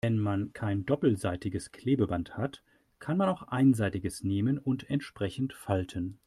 Wenn man kein doppelseitiges Klebeband hat, kann man auch einseitiges nehmen und entsprechend falten.